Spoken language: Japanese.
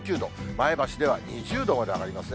前橋では２０度まで上がりますね。